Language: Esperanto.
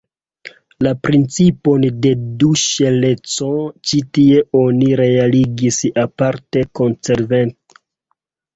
La principon de du-ŝeleco ĉi tie oni realigis aparte konsekvence.